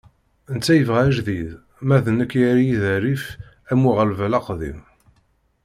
Netta yebɣa ajdid, ma d nekk yerra-yi di rrif am uɣerbal aqdim.